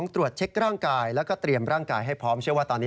๒ตรวจเช็กร่างกายและเตรียมร่างกายให้พร้อม